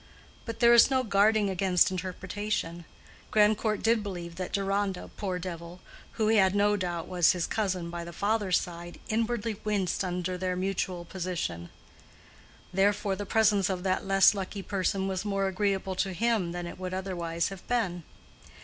But there is no guarding against interpretation. Grandcourt did believe that Deronda, poor devil, who he had no doubt was his cousin by the father's side, inwardly winced under their mutual position; wherefore the presence of that less lucky person was more agreeable to him than it would otherwise have been.